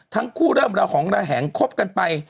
ทั้งคู่เริ่มแล้วของเราแห่งคบกันไป